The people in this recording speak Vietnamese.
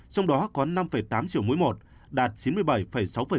trong đó có năm tám triệu mũi một đạt chín mươi bảy sáu dân số trên một mươi tám tuổi